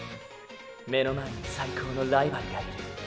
目の前に最高のライバルがいる！